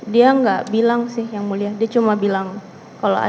dia nggak bilang sih yang mulia dia cuma bilang kalau ada